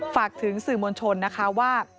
ฝากถึงสื่อมวลชนนะคะว่า